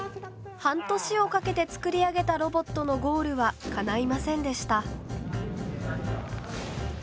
半年をかけて作り上げたロボットのゴールはかないませんでした。